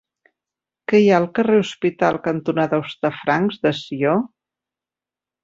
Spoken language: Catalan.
Què hi ha al carrer Hospital cantonada Hostafrancs de Sió?